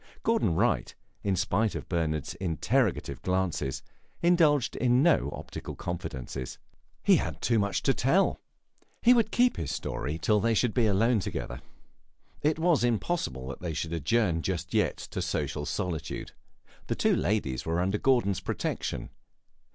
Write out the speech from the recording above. Gordon Wright, in spite of Bernard's interrogative glances, indulged in no optical confidences. He had too much to tell. He would keep his story till they should be alone together. It was impossible that they should adjourn just yet to social solitude; the two ladies were under Gordon's protection.